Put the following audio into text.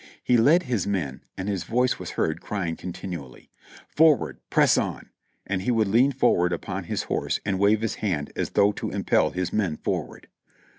He led his men, and his voice was heard crying continually : "Forward! Press on!" And he would lean forward upon his horse and wave his hand as though to impel his men forward.